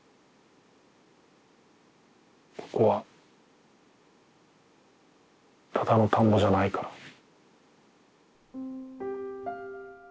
ここはただの田んぼじゃないから。